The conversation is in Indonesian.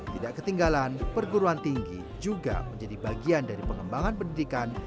tidak ketinggalan perguruan tinggi juga menjadi bagian dari pengembangan pendidikan